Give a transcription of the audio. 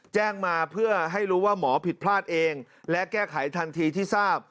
แจ้งมาเพื่อให้รู้ว่าหมอผิดพลาดเองและแก้ไขทันทีที่ทราบ